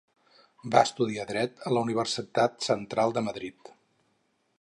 Va estudiar Dret a la Universitat Central de Madrid.